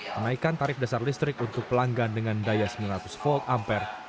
kenaikan tarif dasar listrik untuk pelanggan dengan daya sembilan ratus volt ampere